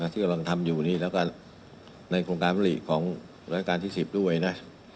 ที่เราทำอยู่นี้แล้วกันในโครงการบริของรายการที่๑๐ด้วยนะ